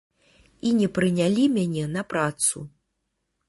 І не прынялі мяне на працу.